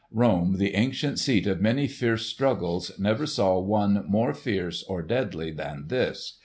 Rome the ancient seat of many fierce struggles never saw one more fierce or deadly than this.